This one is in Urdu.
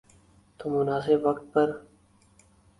تو مناسب وقت پر۔